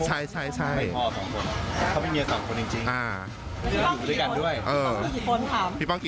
อย่าชอบให้ผมพูดอะไรอย่างนี้แล้วผมก็เสียลูก